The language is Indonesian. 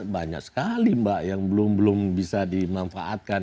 banyak sekali mbak yang belum belum bisa dimanfaatkan